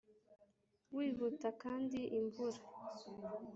wihuta kandi imvura